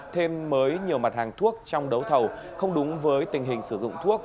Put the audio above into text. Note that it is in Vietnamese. thêm mới nhiều mặt hàng thuốc trong đấu thầu không đúng với tình hình sử dụng thuốc